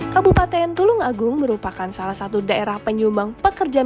kabupaten tulungagung merupakan salah satu daerah penyumbang pekerjaan